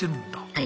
はい。